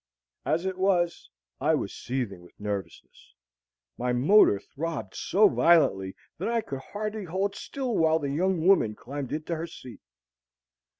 As it was, I was seething with nervousness. My motor throbbed so violently that I could hardly hold still while the young woman climbed into her seat.